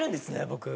僕。